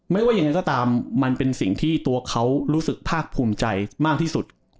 ว่ายังไงก็ตามมันเป็นสิ่งที่ตัวเขารู้สึกภาคภูมิใจมากที่สุด